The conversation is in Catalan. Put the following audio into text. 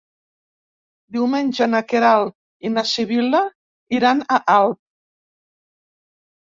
Diumenge na Queralt i na Sibil·la iran a Alp.